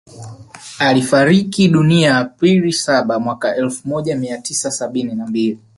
Alifariki dunia April saba mwaka elfu moja mia tisa sabini na mbili